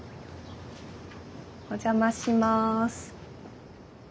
お邪魔します。